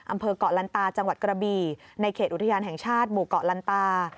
อำเภอกเกาะลันตาจังหวัดกระบี่ในเขตอุทยานแห่งชาติหมู่เกาะลันตา